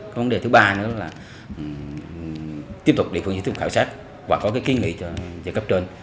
cái vấn đề thứ ba nữa là tiếp tục địa phương sẽ tiếp tục khảo sát và có cái kiến nghị cho cấp trên